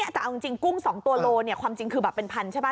แต่เอาจริงกุ้ง๒ตัวโลความจริงคือแบบเป็นพันใช่ไหม